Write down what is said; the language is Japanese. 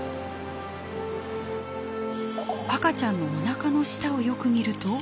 赤ちゃんのおなかの下をよく見ると。